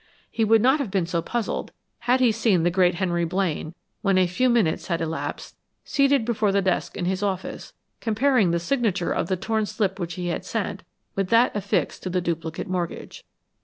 He would not have been so puzzled, had he seen the great Henry Blaine, when a few minutes had elapsed, seated before the desk in his office, comparing the signature of the torn slip which he had sent with that affixed to the duplicate mortgage.